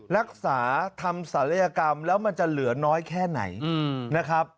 รักษาทำศัลยกรรมแล้วมันจะเหลือน้อยแค่ไหนนะครับ